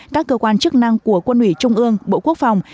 các cơ quan chức năng của quân ủy trung ương bộ quốc phòng